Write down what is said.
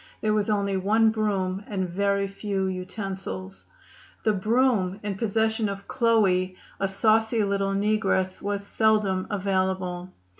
There was only one broom and very few utensils. The broom, in possession of Chloe, a saucy little negress, was seldom available.